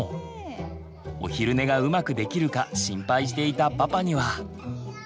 お昼寝がうまくできるか心配していたパパには。